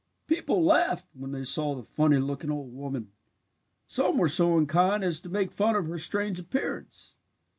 "People laughed when they saw the funny looking old woman. Some were so unkind as to make fun of her strange appearance.